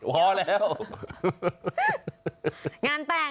พอแล้ว